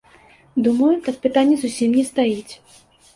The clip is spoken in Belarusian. Думаю, так пытанне зусім не стаіць.